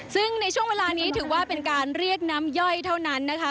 ซึ่งในช่วงเวลานี้ถือว่าเป็นการเรียกน้ำย่อยเท่านั้นนะคะ